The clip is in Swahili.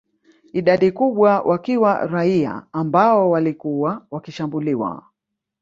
Idadi kubwa wakiwa raia ambao walikuwa wakishambuliwa